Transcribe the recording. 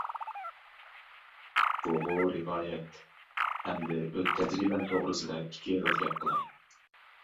بۇغۇ رىۋايەت، ئەمدى ئۆز تەجرىبەم توغرىسىدا ئىككى ئېغىز گەپ.